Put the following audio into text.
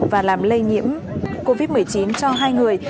và làm lây nhiễm covid một mươi chín cho hai người